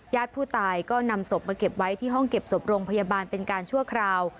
ผู้ตายก็นำศพมาเก็บไว้ที่ห้องเก็บศพโรงพยาบาลเป็นการชั่วคราว